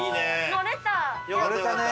乗れたね。